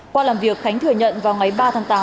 qua làm việc khánh thừa nhận vào ngày ba tháng tám